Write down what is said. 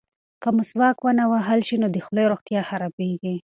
که مسواک ونه وهل شي نو د خولې روغتیا خرابیږي.